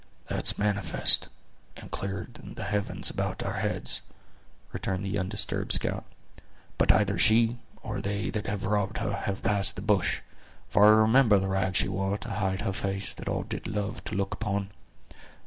"That's manifest; and clearer than the heavens above our heads," returned the undisturbed scout; "but either she, or they that have robbed her, have passed the bush; for I remember the rag she wore to hide a face that all did love to look upon.